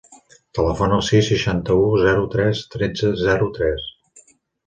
Telefona al sis, seixanta-u, zero, tres, tretze, zero, tres.